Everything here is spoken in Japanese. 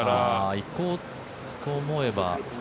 行こうと思えば。